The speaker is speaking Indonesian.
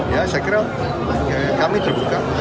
saya kira kami terbuka